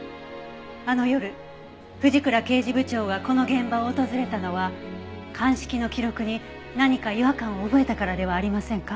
あの夜藤倉刑事部長がこの現場を訪れたのは鑑識の記録に何か違和感を覚えたからではありませんか？